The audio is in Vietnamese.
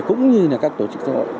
cũng như các tổ chức xã hội